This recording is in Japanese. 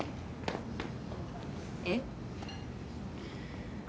えっ？